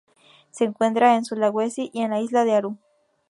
Se encuentra en Sulawesi y en la isla de Aru.